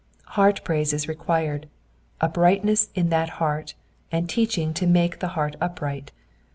Heart praise is required, uprightness in that heart, and teaching to make the heart upright.